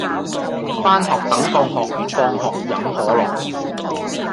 返學等放學放學飲可樂